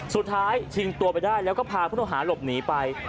สุดท้ายชิงตัวไปได้แล้วก็พาผู้ต่อหาหลบหนีไป